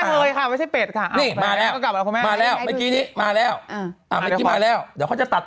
แนคไอวีผมได้สำคัญคุณบ้าง